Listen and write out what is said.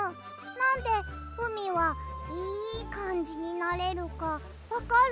なんでうみはいいかんじになれるかわかる？